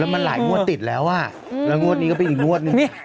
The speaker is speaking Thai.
แล้วมันหลายมวดติดแล้วแล้วมวดนี้ก็เป็นอีกมวดนี่